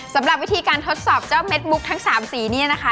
สำหรับวิธีการทดสอบเจ้าเม็ดมุกทั้ง๓สีเนี่ยนะคะ